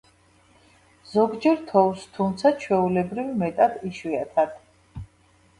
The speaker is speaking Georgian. ზოგჯერ თოვს, თუმცა ჩვეულებრივ მეტად იშვიათად.